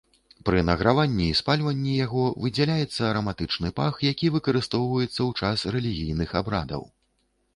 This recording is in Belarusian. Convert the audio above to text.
Пры награванні і спальванні яго выдзяляецца араматычны пах, які выкарыстоўваецца ў час рэлігійных абрадаў.